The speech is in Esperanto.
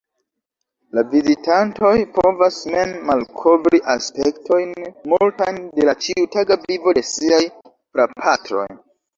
La vizitantoj povas mem malkovri aspektojn multajn de la ĉiutaga vivo de siaj prapatroj.